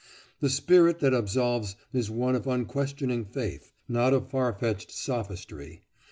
The spirit that absolves is one of unquestioning faith, not of far fetched sophistry.